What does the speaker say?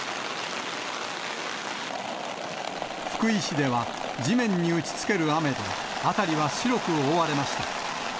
福井市では、地面に打ちつける雨で、辺りは白く覆われました。